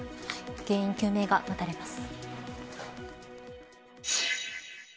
原因究明が待たれます。